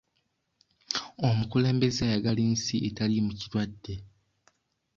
Omukulembeze ayagala ensi etaliimu kirwadde.